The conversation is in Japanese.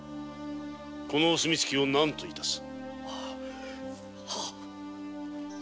このお墨付を何といたす？